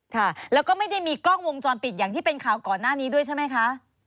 ค่ะแล้วก็ไม่ได้มีกล้องวงจรปิดอย่างที่เป็นข่าวก่อนหน้านี้ด้วยใช่ไหมคะ